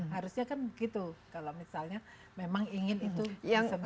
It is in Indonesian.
harusnya kan begitu kalau misalnya memang ingin itu sebenarnya